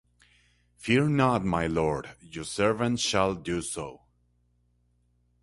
Fear not, my lord, your servant shall do so.